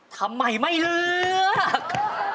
ทำไมไม่เลือก